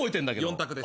４択です。